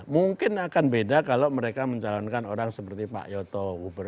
mungkin akan beda kalau mereka mencalonkan orang seperti pak yoto